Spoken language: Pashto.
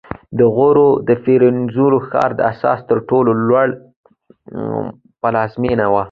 د غور د فیروزکوه ښار د اسیا تر ټولو لوړ پلازمېنه وه